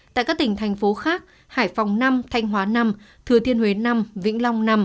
tại các tỉnh thành phố khác hải phòng năm thanh hóa năm thừa thiên huế năm vĩnh long năm